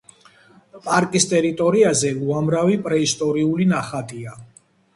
პარკის ტერიტორიაზე უამრავი პრეისტორიული ნახატია.